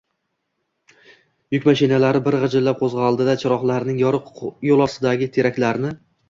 Yuk mashinasi bir jigʼillab qoʼzgʼaldi-da, chiroqlarining yorugʼi yoʼl yoqasidagi teraklarni